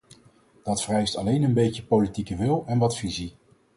Dat vereist alleen een beetje politieke wil en wat visie.